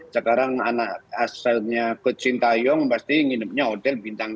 sekarang anak asalnya coach sinta yong pasti nginepnya hotel bintang lima